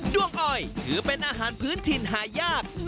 ้วงอ้อยถือเป็นอาหารพื้นถิ่นหายาก